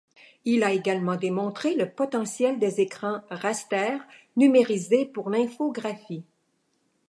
Il a également démontré le potentiel des écrans raster numérisés pour l'infographie.